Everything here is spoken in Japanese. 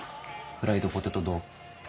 フライドポテトどう？